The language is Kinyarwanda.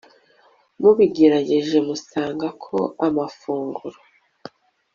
mubigerageje muzasanga ko amafunguro